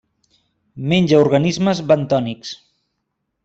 Menja organismes bentònics.